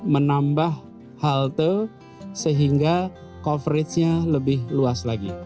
menambah halte sehingga coveragenya lebih luas lagi